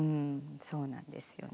そうなんですよね。